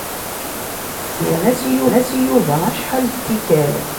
Ɛeggnen-as i Yuba acḥal n tikkal.